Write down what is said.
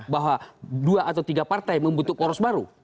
bahwa dua atau tiga partai membutuhkan poros baru